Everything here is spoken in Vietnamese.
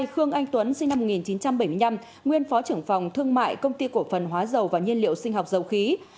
hai khương anh tuấn sinh năm một nghìn chín trăm bảy mươi năm nguyên phó trưởng phòng thương mại công ty cổ phần hóa dầu và nhiên liệu sinh học dầu khí